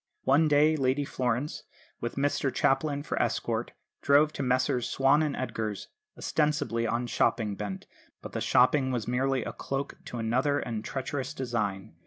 One day Lady Florence, with Mr Chaplin for escort, drove to Messrs Swan & Edgar's, ostensibly on shopping bent; but the shopping was merely a cloak to another and treacherous design.